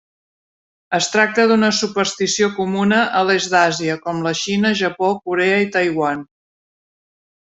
Es tracta d'una superstició comuna a l'est d'Àsia com la Xina, Japó, Corea i Taiwan.